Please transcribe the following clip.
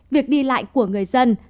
việc đi lại của người dân từ các địa bàn